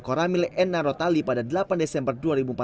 koramil enarotali pada delapan desember dua ribu empat belas